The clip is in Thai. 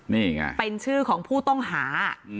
นี่ไงเป็นชื่อของผู้ต้องหา